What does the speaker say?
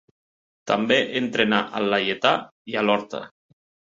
També entrenà al Laietà i a l'Horta.